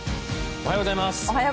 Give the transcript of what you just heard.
おはようございます。